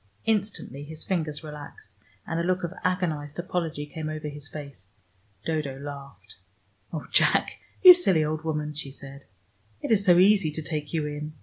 Instantly his fingers relaxed; and a look of agonized apology came over his face. Dodo laughed. "Oh, Jack, you silly old woman," she said. "It is so easy to take you in."